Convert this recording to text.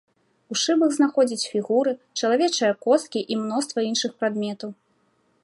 У шыбах знаходзяць фігуры, чалавечыя косткі і мноства іншых прадметаў.